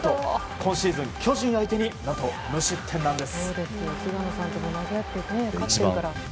今シーズン、巨人相手に何と無失点なんです。